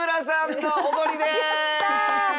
やったー！